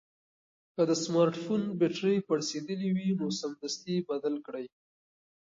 که د سمارټ فون بېټرۍ پړسېدلې وي نو سمدستي یې بدل کړئ.